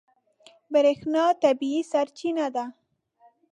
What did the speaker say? برېښنا طبیعي سرچینه ده.